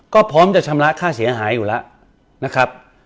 ก็พร้อมจะชำระค่าเสียหายอยู่แล้วนะครับ